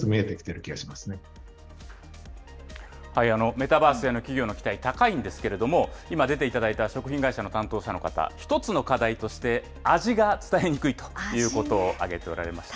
メタバースへの企業の期待、高いんですけれども、今出ていただいた食品会社の担当者の方、１つの課題として、味が伝えにくいということを挙げておられました。